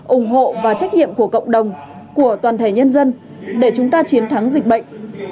ủng hộ và trách nhiệm của cộng đồng của toàn thể nhân dân để chúng ta chiến thắng dịch bệnh